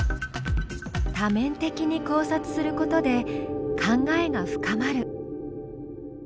多面的に考察することで考えが深まる。